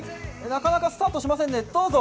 なかなかスタートしませんね、どうぞ。